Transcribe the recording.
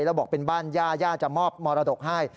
แล้วบอกเป็นบ้านย่าย่าจะมอบมรดกให้